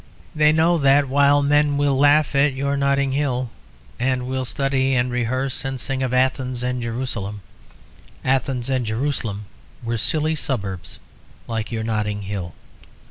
They know that while men will laugh at your Notting Hill, and will study and rehearse and sing of Athens and Jerusalem, Athens and Jerusalem were silly suburbs like your Notting Hill.